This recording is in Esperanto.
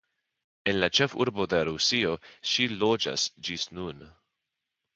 En la ĉefurbo de Rusio ŝi loĝas ĝis nun.